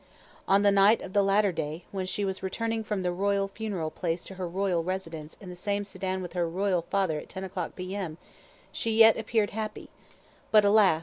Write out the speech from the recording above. On the night of the latter day, when she was returning from the royal funeral place to the royal residence in the same sedan with her Royal father at 10 o'clock P.M. she yet appeared happy, but alas!